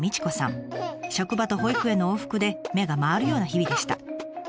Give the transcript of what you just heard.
職場と保育園の往復で目が回るような日々でした。